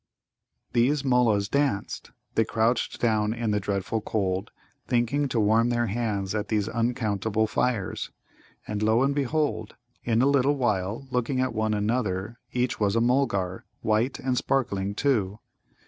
These Mullas danced; they crouched down in the dreadful cold, thinking to warm their hands at these uncountable fires. And, lo and behold! in a little while, looking at one another, each was a Mulgar, white and sparkling too.